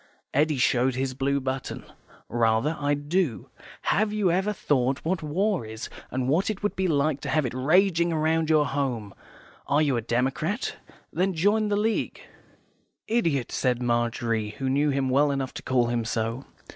Eddy showed his blue button. "Rather, I do. HAVE YOU EVER THOUGHT what war is, and what it would be like to have it raging round your own home? Are you a democrat? Then join the League." "Idiot," said Margery, who knew him well enough to call him so.